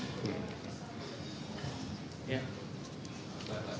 ada lebih besar beda di dua itu aja